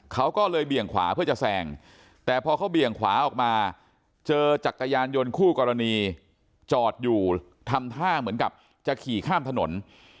เขาก็เลยเบี่ยงขวาเพื่อจะแซงแต่พอเขาเบี่ยงขวาออกมาเจอจักรยานยนต์คู่กรณีจอดอยู่ทำท่าเหมือนกับจะขี่ข้ามถนน